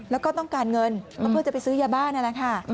แล้วก็ต้องการเงินก็เพื่อจะไปซื้อยาบ้านนั่นแหละค่ะ